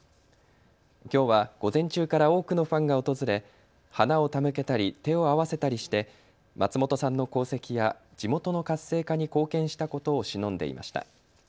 きょうは午前中から多くのファンが訪れ花を手向けたり、手を合わせたりして松本さんの功績や地元の活性化に貢献したことをしのんでいました。